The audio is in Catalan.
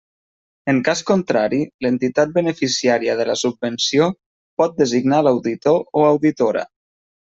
En cas contrari, l'entitat beneficiària de la subvenció pot designar l'auditor o auditora.